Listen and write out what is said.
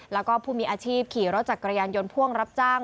แล้วก็ผู้มีอาชีพขี่รถจักรยานยนต์พ่วงรับจ้าง